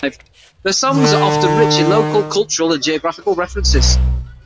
Their songs are often rich in local, cultural, and geographical references.